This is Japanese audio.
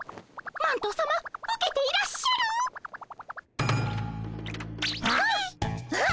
マントさまウケていらっしゃる？はっ！